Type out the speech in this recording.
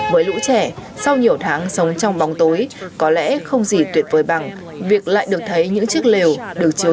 với lũ trẻ sau nhiều tháng sống trong bóng tối có lẽ không gì tuyệt vời bằng việc lại được thấy những chiếc lều được chứa